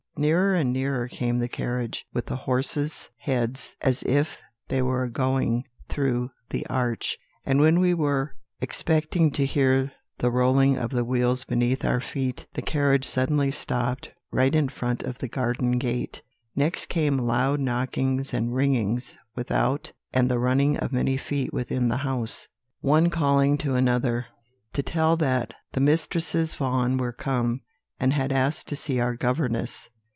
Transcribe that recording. "Nearer and nearer came the carriage, with the horses' heads as if they were a going through the arch; and when we were expecting to hear the rolling of the wheels beneath our feet, the carriage suddenly stopped right in front of the garden gate. "Next came loud knockings and ringings without, and the running of many feet within the house, one calling to another, to tell that the Mistresses Vaughan were come, and had asked to see our governess.